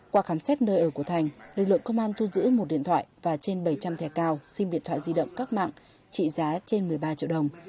qua khám xét nơi ở của thành lực lượng công an thu giữ một điện thoại và trên bảy trăm linh thẻ cao sim điện thoại di động các mạng trị giá trên một mươi ba triệu đồng